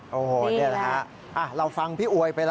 โอ้โหเดี๋ยวนะครับเราฟังพี่อวยไปแล้ว